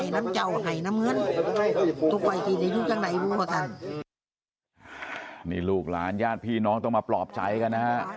นี่ลูกหลานญาติพี่น้องต้องมาปลอบใจกันนะฮะ